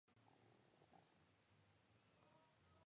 Lleva consigo las fotografías tomadas durante la huelga general.